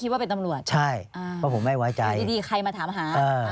คือที่บอกว่าไม่อยู่พ่อไม่คิดว่าเป็นตำรวจ